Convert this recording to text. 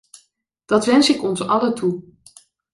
Dat wens ik ons allen toe.